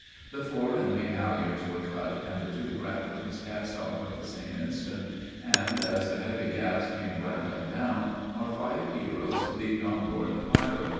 The fore and main halyards were cut, and the two graplings cast off at the same instant, and, as the heavy gaffs came rattling down, our five heroes leaped on board the pirate.